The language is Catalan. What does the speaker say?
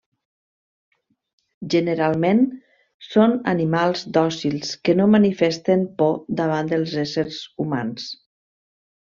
Generalment, són animals dòcils que no manifesten por davant dels éssers humans.